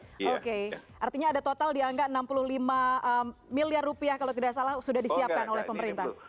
oke artinya ada total di angka enam puluh lima miliar rupiah kalau tidak salah sudah disiapkan oleh pemerintah